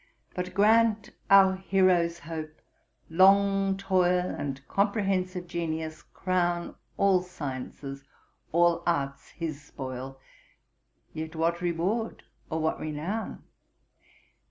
But grant our hero's hope, long toil And comprehensive genius crown, All sciences, all arts his spoil, Yet what reward, or what renown?